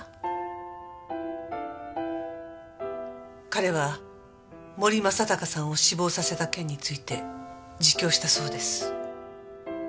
彼は森正孝さんを死亡させた件について自供したそうです。